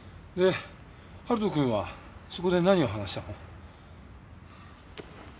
で晴人くんはそこで何を話したの？